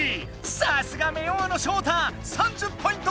さすが目王のショウタ３０ポイント